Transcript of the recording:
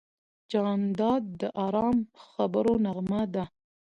جانداد د ارام خبرو نغمه ده.